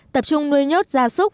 tập trung nuôi nhốt gia súc